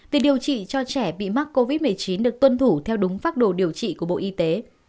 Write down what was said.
việc điều trị cho trẻ bị mắc covid một mươi chín được tuân thủ theo đúng phác đồ điều trị của bộ y tế